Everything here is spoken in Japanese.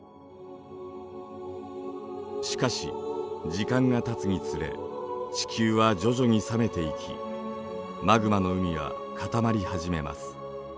しかし時間がたつにつれ地球は徐々に冷めていきマグマの海は固まり始めます。